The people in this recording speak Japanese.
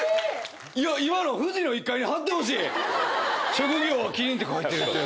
「職業は麒麟って書いてる」って。